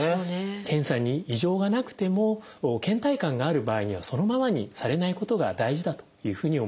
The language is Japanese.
検査に異常がなくてもけん怠感がある場合にはそのままにされないことが大事だというふうに思います。